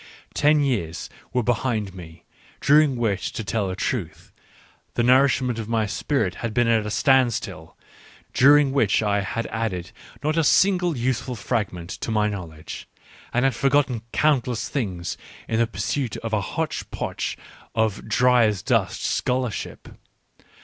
... Ten years were behind me, during which, to tell the truth, the nourishment of my spirit had been at a standstill, during which I had added not a single useful fragment to my know ledge, and had forgotten countless things in the pursuit of a hotch potch of dry as dust scholarship.